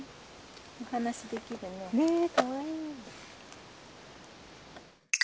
お話しできるね。ねえかわいい。